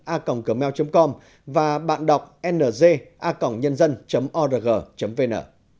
a gmail com và bạn đọc ngacongnyn org vn